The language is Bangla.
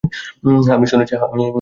হ্যাঁ, আমি শুনেছি।